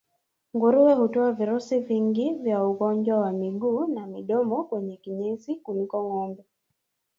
Nguruwe hutoa virusi vingi vya ugonjwa wa miguu na midomo kwenye kinyesi kuliko ngombe